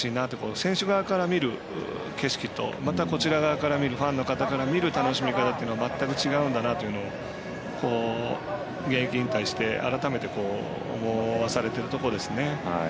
選手側から見る景色とファンの方から見る楽しみ方というのは全く違うんだなというのが現役引退して改めて思わされているところです。